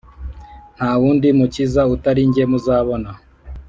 nta wundi mukiza utari jye muzabona